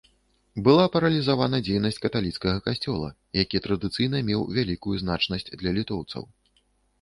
Была паралізавана дзейнасць каталіцкага касцёла, які традыцыйна меў вялікую значнасць для літоўцаў.